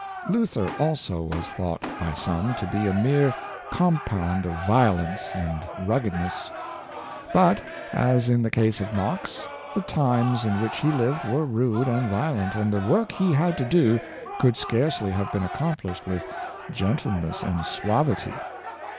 " Luther also was thought by some to be a mere com pound of violence and ruggedness. But, as in the case of Knox, the times in which he lived were rude and 534 yohnsofi's Grtiffness. violent, and the work he had to do could scarcely have been accomplished with gentleness and suavity.